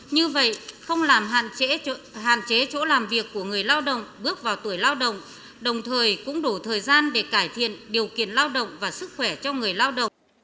như vậy không làm hạn chế chỗ làm việc của người lao động bước vào tuổi lao động đồng thời cũng đủ thời gian để cải thiện điều kiện lao động và sức khỏe cho người lao động